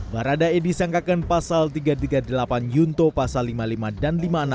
baradae disangkakan pasal tiga ratus tiga puluh delapan yunto pasal lima puluh lima dan lima puluh enam